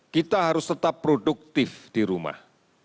kita harus tetap produktif di rumah